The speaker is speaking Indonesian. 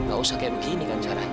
gak usah kayak begini kan caranya